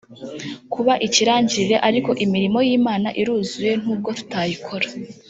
kuba ikirangirire ariko imirimo y’Imana iruzuye n’ubwo tutayikora